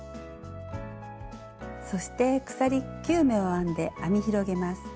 そして鎖９目を編んで編み広げます。